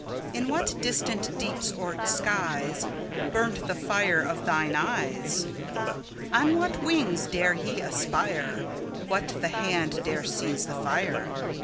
In what distant deeps or skies 5 Burnt the fire of thine eyes? On what wings dare he aspire? What the hand dare seize the fire?